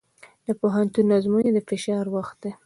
د پوهنتون ازموینې د فشار وخت دی.